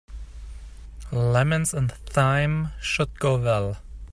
Lemons and thyme should go well.